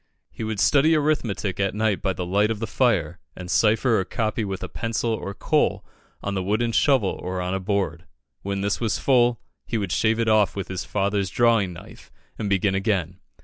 He would study arithmetic at night by the light of the fire, and cipher or copy with a pencil or coal on the wooden shovel or on a board. When this was full, he would shave it off with his father's drawing knife, and begin again.